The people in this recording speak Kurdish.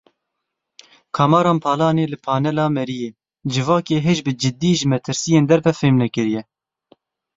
Kamaran Palanî li panela Meriyê, Civakê hêj bi cidî ji metirsiyên derve fêm nekiriye.